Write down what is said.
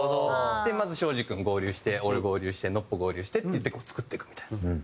まずｓｈｏｊｉ君合流して俺合流してＮＯＰＰＯ合流してっていって作っていくみたいな。